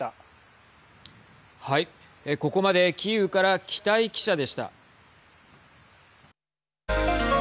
ここまでキーウから北井記者でした。